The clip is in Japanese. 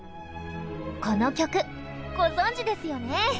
この曲ご存じですよね？